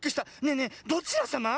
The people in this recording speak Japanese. ねえねえどちらさま？